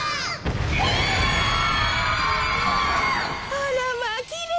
あらまあきれい。